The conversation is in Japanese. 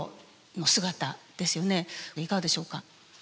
いかがでしょうか。